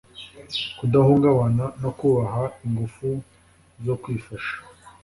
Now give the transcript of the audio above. kudahungabana no kubaha ingufu zo kwifasha